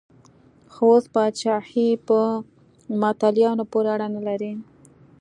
خو اوس پاچاهي په متولیانو پورې اړه نه لري.